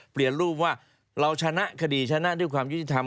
เปลี่ยนรูปว่าเราชนะคดีชนะด้วยความยุติธรรม